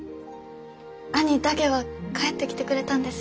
兄だけは帰ってきてくれたんです。